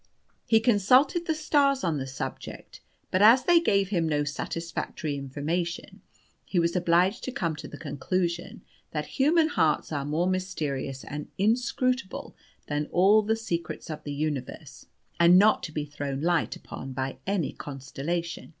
He consulted the stars on the subject, but as they gave him no satisfactory information, he was obliged to come to the conclusion that human hearts are more mysterious and inscrutable than all the secrets of the universe, and not to be thrown light upon by any constellation.